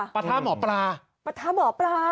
ประธาหมอปลาประธาหมอปลา